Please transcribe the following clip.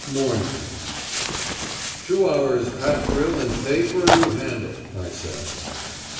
MORNING "Two hours' pack drill, and pay for a new handle," I said.